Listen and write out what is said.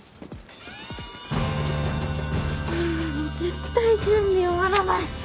あぁもう絶対準備終わらない。